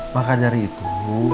maka dari itu